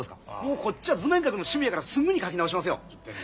こっちは図面描くの趣味やからすぐに描き直しますよ。